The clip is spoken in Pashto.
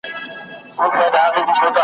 له پردیو به څه ژاړم له خپل قامه ګیله من یم .